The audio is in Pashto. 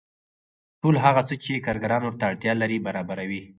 ټول هغه څه چې کارګران ورته اړتیا لري برابروي